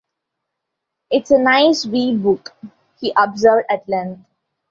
"It's a nice wee book," he observed at length.